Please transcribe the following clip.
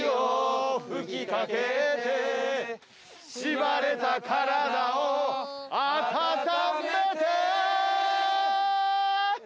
「しばれた体をあたためて」